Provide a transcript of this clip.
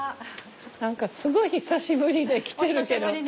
何かすごい久しぶりで来てるけど。